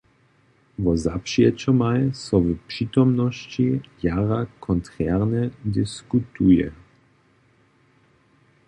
Wo zapřijećomaj so w přitomnosći jara kontrernje diskutuje.